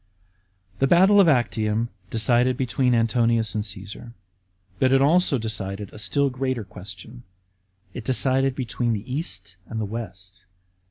*§ 3. The battle of Actium decided between Antonius and Cassar. But it also decided a still greater question. It decided be tween the East and the West.